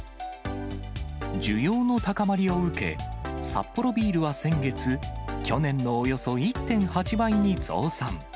需要の高まりを受け、サッポロビールは先月、去年のおよそ１．８倍に増産。